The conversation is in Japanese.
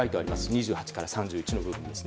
２８から３１の部分です。